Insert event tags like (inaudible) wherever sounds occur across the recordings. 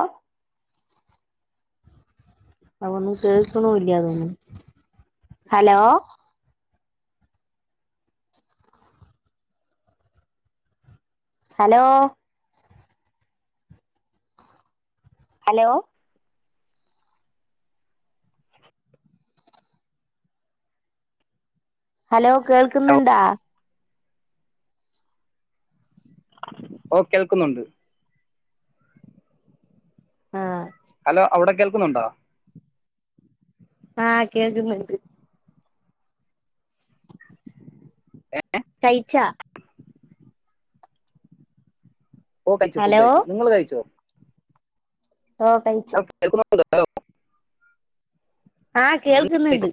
ആ അതൊന്നും കേൾക്കണുവില്ല അതൊന്നും, hello hello hello hello hello കേൾക്കുന്നുണ്ടാ ഓ, കേൾക്കുന്നുണ്ട് ആ ഹലോ അവിടെ കേൾക്കുന്നുണ്ടോ ആ കേൾക്കുന്നുണ്ട് ആ കഴിച്ചാ ഓ കഴിച്ചു ഫുഡ് ഹലോ കഴിച്ചു, നിങ്ങള് കഴിച്ചോ ഓ കഴിച്ചു (unintelligible) ആ, നിങ്ങൾ കഴിച്ചോ കേൾക്കുന്നുണ്ട്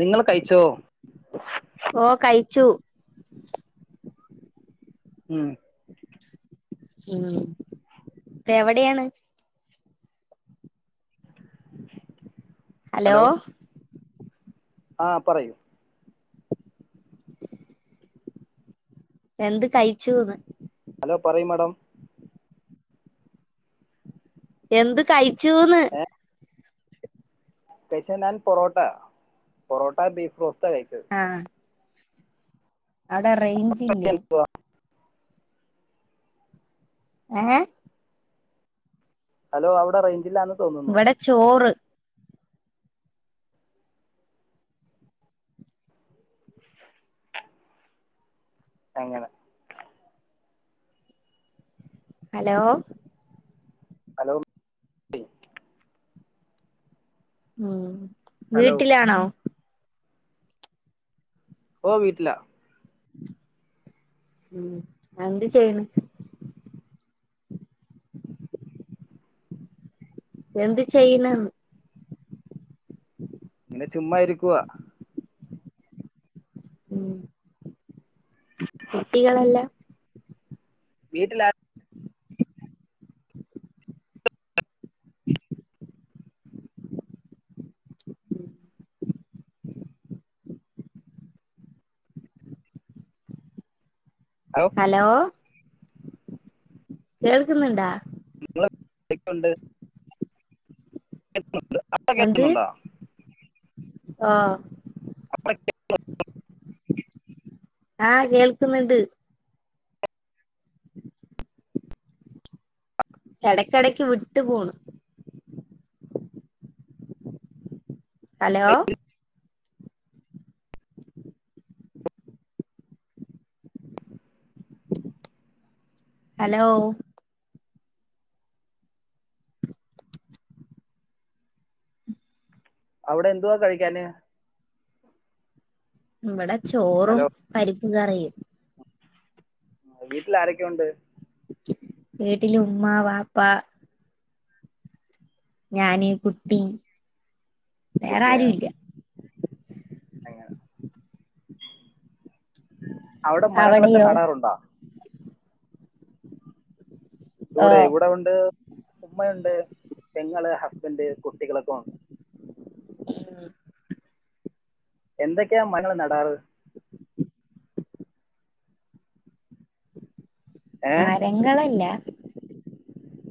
നിങ്ങള് കഴിച്ചോ ഓ കഴിച്ചു ഉം ഉം ഇപ്പ എവിടെയാണ് (unintelligible) ഹലോ ആ പറയൂ എന്ത് കഴിച്ചുന്ന് ഹലോ പറയു മാഡം എന്ത് കഴിച്ചൂന്ന് ഏ കഴിച്ചത് ഞാൻ പൊറോട്ട പൊറോട്ട ബീഫ് റോസ് റ്റാ കഴിച്ചത് റേഞ്ചില്ലേ എന്തുവാ ഏ ഹലോ അവിടെ റൈ ഇവിടെ ചോറ് അങ്ങനെ ഹലോ ഹലോ ഉം ഹലോ വീട്ടിലാണോ ഓ വീട്ടിലാ ഉം എന്ത് ചെയ്യ്ണ് എന്ത് ചെയ്യണ്ന്ന് ഇങ്ങനെ ചുമ്മ ഇരിക്കുവാ ഉം കുട്ടികളെല്ലാ വീട്ടിലാ ഹലോ കേൾക്കുന്നുണ്ടാ (unintelligible) (unintelligible) (unintelligible) കേക്കുന്നുണ്ടോ ആഹ് (unintelligible) ആഹ് കേൾക്കുന്നുണ്ട് ഇടക്കിടക്ക് വിട്ട് പോണ് ഹലോ ഹലോ അവിടെ എന്തുവാ കഴിക്കാന് ഇവടെ ചോറും ഹലോ പരിപ്പ് കറിയും വീട്ടിൽ ആരൊക്കെ ഉണ്ട് വീട്ടില് ഉമ്മ വാപ്പാ ഞാന് കുട്ടി വേറെ കുട്ടിയാ ആരും ഇല്ല അങ്ങനെ അവിടെ മരങ്ങളൊക്കെ അവിടെയോ നടാറുണ്ടോ ഓ ഇവിടെ ഇവിടെ ഉണ്ട് ഉമ്മയുണ്ട് പെങ്ങള് ഹസ്ബൻഡ് കുട്ടികളൊക്കും ഉണ്ട് ഉം എന്തൊക്കെയാ മരങ്ങൾ നടാറ് ഏ മരങ്ങളല്ല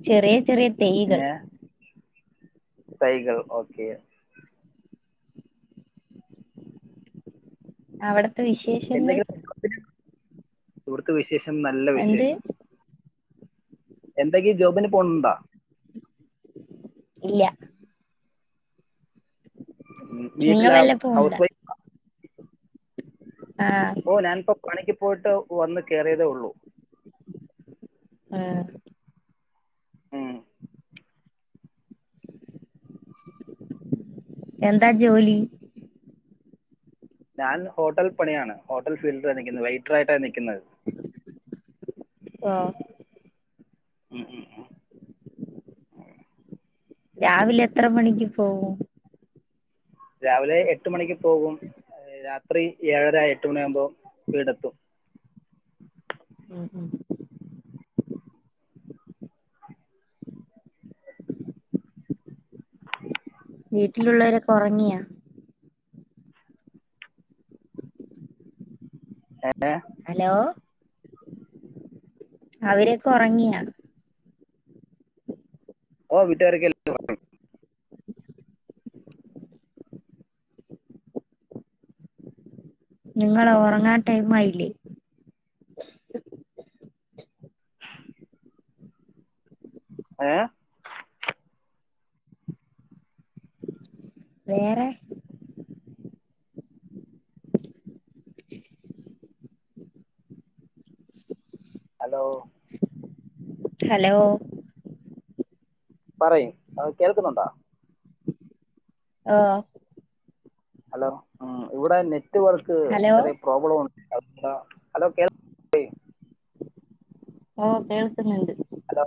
ചെറിയ ചെറിയ തെെയകൾ പിന്നെ തൈകൾ ഓക്കേ അവിടെ എന്തെങ്കിലും (unintelligible) (unintelligible) വിശേഷം നല്ല എന്ത് വിശേഷം എന്തൊക്കെയ ജോബിന് പോണണ്ടാ ഇല്ല ഉം, നിങ്ങ വീട്ടിലാ വല്ല ഹൗസ് പോണ്ടോ വൈഫ് ഓ നാൻപം പണിക്ക് പോയിട്ട് വന്ന് കേറിയതേ ഉള്ളൂ ആഹ് ഉം. എന്താ ജോലി ഞാൻ ഹോട്ടൽ പണിയാണ് ഹോട്ടൽ ഫീൽഡിലാ നിക്കുന്നത് വെയ്റ്ററായിട്ടാണ് നിക്കുന്നത് ആഹ് (unintelligible) രാവിലെ എത്ര മണിക്ക് പോവും രാവിലെ എട്ട് മണിക്ക് പോകും രാത്രി ഏഴര എട്ട് മണിയാകുമ്പോ വീടെത്തും ഉം ഉം വീട്ടിലുള്ളവരൊക്കെ ഒറങ്ങിയാ ഏഹ് ഹലോ അവരൊക്കെ ഉറങ്ങിയാ ഓ വിട്ട്കാരക്കെ എല്ലാരും ഒറങ്ങി നിങ്ങള് ഒറങ്ങാൻ ടൈംമായില്ലേ ഏഹ് വേറെ ഹലോ ഹലോ പറയ് കേൾക്കുന്നുണ്ടോ ആഹ് ഹലോ ഉം ഇവിടെ നെറ്റ് റ്റ്വർക്ക് ഹലോ ചെറിയ പ്രോബ്ലം ഉണ് ഹലോ കേൾക്കുന്നില്ലേ ഓഹ് കേൾക്ക്ന്ന്ണ്ട് ഹലോ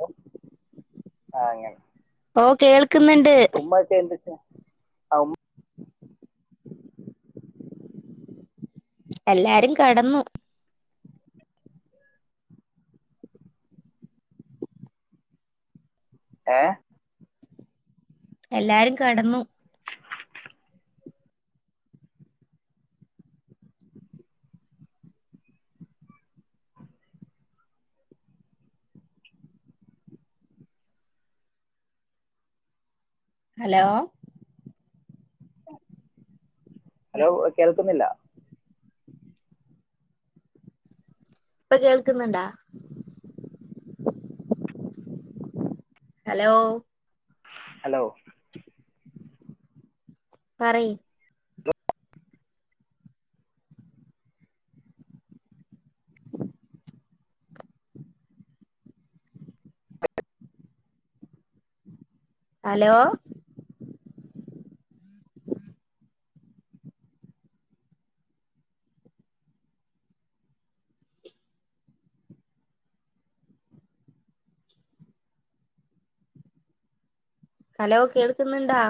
ആഹ് അങ്ങ് ഓഹ് കേൾ ഉമ്മക്ക എന്ത്‌ക്കേ ആ ഉമ്മ എല്ലാരും ക്കെടന്നു ഏഹ് എല്ലാരും കെടന്നു ഹലോ ഹലോ കേൾക്കുന്നില്ല ഇപ്പൊ കേൾക്കുന്നുണ്ടാ ഹലോ ഹലോ പറയ് ഹലോ ഹലോ കേൾക്കുന്നുണ്ടാ